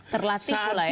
terlatih pula ya